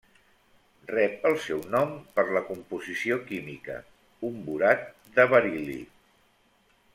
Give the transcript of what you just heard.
Rep el seu nom per la composició química, un borat de beril·li.